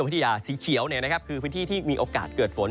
กรมพิธียาสีเขียวเนี่ยนะครับคือพิธีที่มีโอกาสเกิดฝน